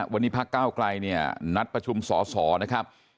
วันนี้พักก้าวไกลเนี่ยนัดประชุมสอสอนะครับ